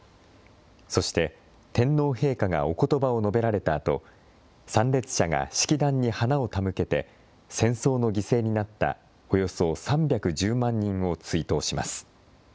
そして天皇陛下がおことばを述べられたあと、参列者が式壇に花を手向けて、戦争の犠牲になったおよそ３１０万人を追悼します。